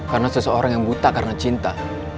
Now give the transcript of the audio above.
karena seseorang yang buta karena cinta